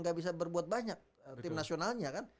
gak bisa berbuat banyak tim nasionalnya kan